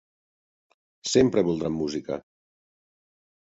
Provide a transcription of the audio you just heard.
Sempre voldran música.